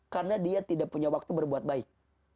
karena dia tidak punya waktu berbuat baik